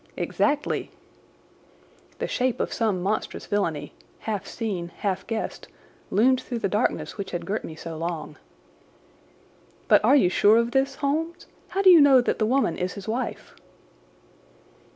"Exactly." The shape of some monstrous villainy, half seen, half guessed, loomed through the darkness which had girt me so long. "But are you sure of this, Holmes? How do you know that the woman is his wife?"